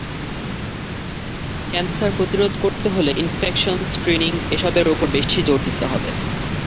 Cancer প্রতিরোধ করতে হলে ইনফেকশন, স্ক্রিনিং—এসবের ওপর বেশি জোর দিতে হবে।